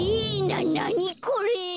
なにこれ？